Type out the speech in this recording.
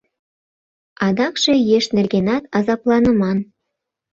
Адакше еш нергенат азапланыман.